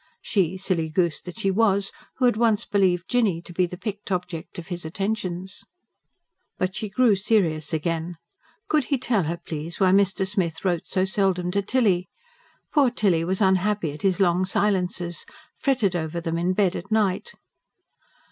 She, silly goose that she was! who had once believed Jinny to be the picked object of his attentions. But she grew serious again: could he tell her, please, why Mr. Smith wrote so seldom to Tilly? Poor Tilly was unhappy at his long silences fretted over them in bed at night.